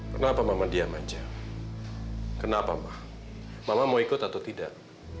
kenapa mama diam aja kenapa mbah mama mau ikut atau tidak